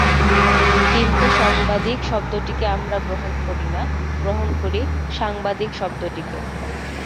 কিন্তু সংবাদিক শব্দটিকে আমরা গ্রহণ করি না, গ্রহণ করি সাংবাদিক শব্দটিকে।